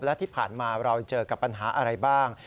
และที่ผ่านมาเราเจอกับปัญหาอะไรบ้าง